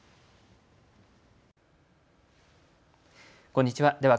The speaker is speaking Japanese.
こんにちは。